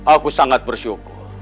aku sangat bersyukur